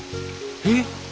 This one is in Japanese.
えっ？